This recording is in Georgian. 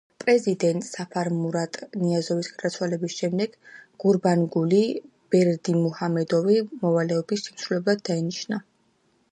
პრეზიდენტ საფარმურატ ნიაზოვის გარდაცვალების შემდეგ გურბანგული ბერდიმუჰამედოვი მოვალეობის შემსრულებლად დაინიშნა.